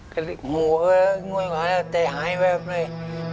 ก็เลยงูง่วยหวานแล้วใส่หายไปเลย